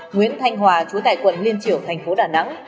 nguyễn thanh hòa chú tải quận liên triểu tp đà nẵng